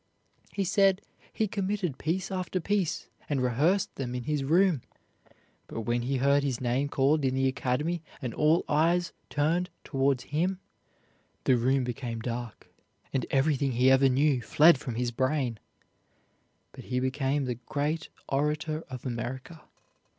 He said he committed piece after piece and rehearsed them in his room, but when he heard his name called in the academy and all eyes turned towards him the room became dark and everything he ever knew fled from his brain; but he became the great orator of America.